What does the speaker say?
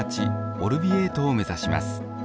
オルヴィエートを目指します。